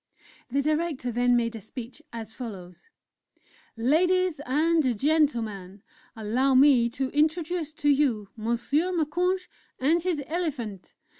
The Director then made a speech, as follows: "Ladies and Gentlemen, allow me to introduce to you Monsieur Moukounj and his Elephant.